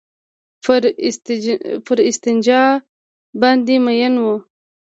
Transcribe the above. پر استنجا باندې مئين وو.